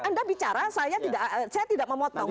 anda bicara saya tidak memotong